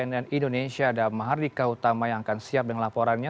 dan indonesia ada mahardika utama yang akan siap dengan laporannya